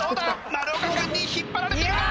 丸岡君に引っ張られてるが。